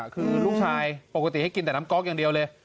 คือลูกชายปกติให้กินแต่น้ำก๊อกอย่างเดียวเลย